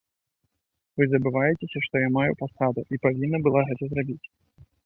Вы забываецеся, што я маю пасаду і павінна была гэта зрабіць!